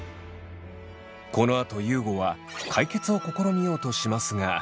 このあと優吾は解決を試みようとしますが。